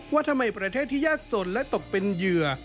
ว่าทำไมประเทศที่ยากจนและตกเป็นเหยื่อ